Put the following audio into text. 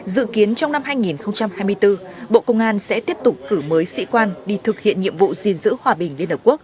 dự kiến trong năm hai nghìn hai mươi bốn bộ công an sẽ tiếp tục cử mới sĩ quan đi thực hiện nhiệm vụ gìn giữ hòa bình liên hợp quốc